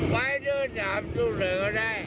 ไปด้วยนามทุกเหลือก็ได้